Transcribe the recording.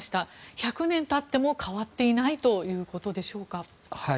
１００年経っても変わっていないということでしょうか？